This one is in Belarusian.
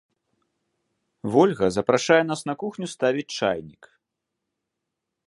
Вольга запрашае нас на кухню, ставіць чайнік.